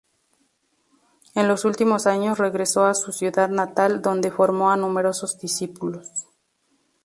En los últimos años regresó a su ciudad natal, donde formó a numerosos discípulos.